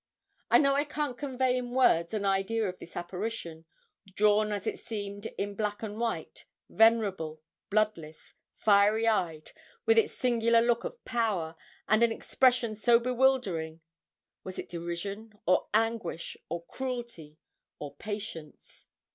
I know I can't convey in words an idea of this apparition, drawn as it seemed in black and white, venerable, bloodless, fiery eyed, with its singular look of power, and an expression so bewildering was it derision, or anguish, or cruelty, or patience?